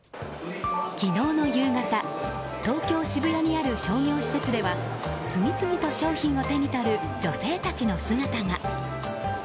昨日の夕方東京・渋谷にある商業施設では次々と商品を手に取る女性たちの姿が。